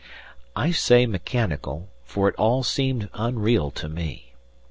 I say mechanical, for it all seemed unreal to me.